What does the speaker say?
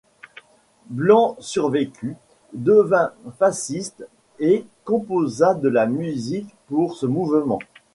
Blanc survécut, devint fasciste et composa de la musique pour ce mouvement.